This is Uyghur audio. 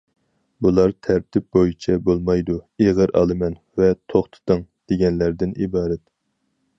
بۇلار تەرتىپ بويىچە« بولمايدۇ»،« ئېغىر ئالىمەن» ۋە« توختىتىڭ» دېگەنلەردىن ئىبارەت.